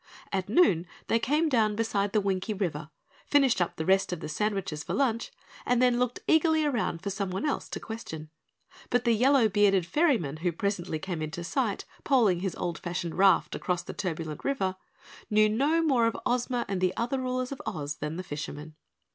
At noon they came down beside the Winkie River, finished up the rest of the sandwiches for lunch, and then looked eagerly around for someone else to question. But the yellow bearded ferryman who presently came into sight poling his old fashioned raft across the turbulent river knew no more of Ozma and the other rulers of Oz than the fisherman.